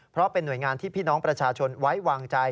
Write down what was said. เพราะเป็นหน่วยงานที่พี่น้องประชาชนไว้วางใจ